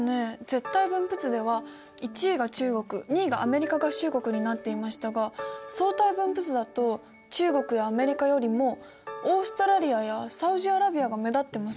絶対分布図では１位が中国２位がアメリカ合衆国になっていましたが相対分布図だと中国やアメリカよりもオーストラリアやサウジアラビアが目立ってますね。